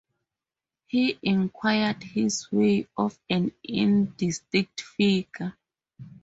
He inquired his way of an indistinct figure.